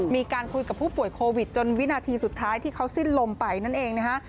มีการคุยกับผู้ป่วยโควิดจนวินาทีสุดท้ายที่เขาสิ้นลมไปนั่นเองนะฮะ